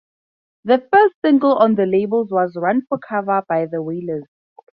The first single on the label was "Run For Cover" by The Wailers.